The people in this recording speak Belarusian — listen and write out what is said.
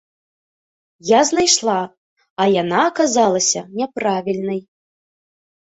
Я знайшла, а яна аказалася няправільнай.